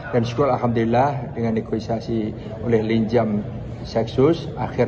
dan syukur alhamdulillah dengan negosiasi oleh linjam seksus